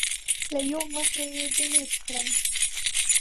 له یوې مخې ډیلېټ کړل